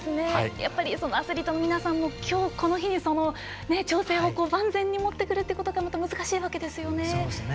アスリートの皆さんも今日、この日に調整を万全に持ってくることがまた難しいわけですよね。